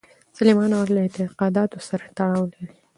سلیمان غر له اعتقاداتو سره تړاو لري.